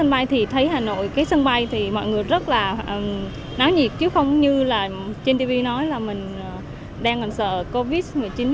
ở sân bay thì thấy hà nội cái sân bay thì mọi người rất là náo nhiệt chứ không như là trên tv nói là mình đang còn sợ covid một mươi chín